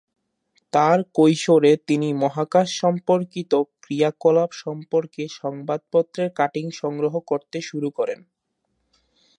তার কৈশোরে, তিনি মহাকাশ সম্পর্কিত ক্রিয়াকলাপ সম্পর্কে সংবাদপত্রের কাটিং সংগ্রহ করতে শুরু করেন।